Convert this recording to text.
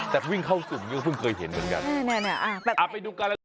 แต่วิ่งเข้าสุดก็เพิ่งเคยเห็นเหมือนกัน